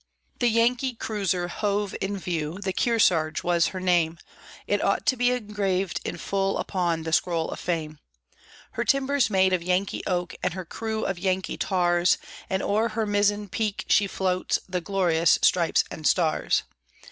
The Yankee cruiser hove in view, the Kearsarge was her name, It ought to be engraved in full upon the scroll of fame; Her timbers made of Yankee oak, And her crew of Yankee tars. And o'er her mizzen peak she floats the glorious stripes and stars.